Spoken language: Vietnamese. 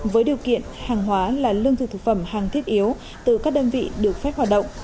với điều kiện hàng hóa là lương thực thực phẩm hàng thiết yếu từ các đơn vị được phép hoạt động